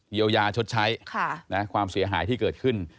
เยียวยาชดใช้ความเสียหายที่เกิดขึ้น